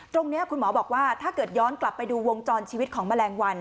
ตรงนี้คุณหมอบอกว่าถ้าเกิดย้อนกลับไปดูวงจรชีวิตของแมลงวัน